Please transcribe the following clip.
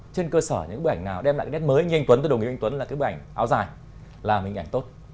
trên cơ sở những bộ ảnh nào đem lại cái nét mới như anh tuấn tôi đồng ý với anh tuấn là cái bộ ảnh áo dài là mình ảnh tốt